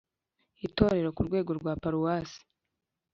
itorero ku rwego rwa paruwasi